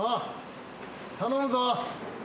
頼むぞ。